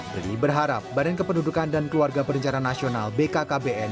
ri berharap badan kependudukan dan keluarga perencana nasional bkkbn